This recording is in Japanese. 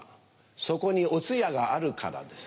そこにお通夜があるからです。